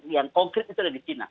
yang konkret itu ada di china